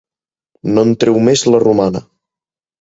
No en treu més la romana.